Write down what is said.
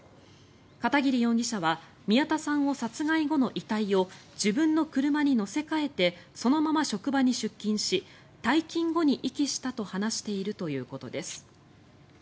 片桐容疑者は宮田さんを殺害後の遺体を自分の車に乗せ替えてそのまま職場に出勤し退勤後に遺棄したと話しているということです。